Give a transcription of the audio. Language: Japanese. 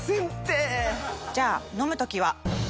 じゃあ飲む時は？